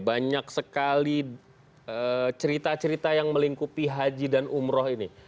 banyak sekali cerita cerita yang melingkupi haji dan umroh ini